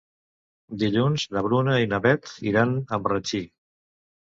Dilluns na Bruna i na Beth iran a Marratxí.